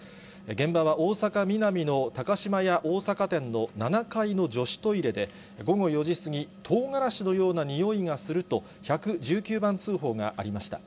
現場は大阪・ミナミの高島屋大阪店の７階の女子トイレで、午後４時過ぎ、とうがらしのような臭いがすると、１１９番通報がありました。